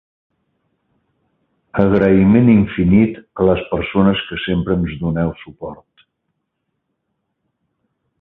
Agraïment infinit a les persones que sempre ens doneu suport.